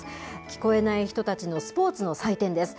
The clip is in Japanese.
聞こえない人のスポーツの祭典です。